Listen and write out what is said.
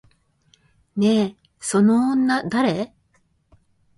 ねえ、その女誰？